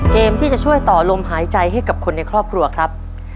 เกมที่จะช่วยต่อลมหายใจให้กับคนในครอบครัวครับ